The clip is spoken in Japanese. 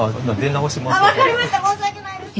申し訳ないです。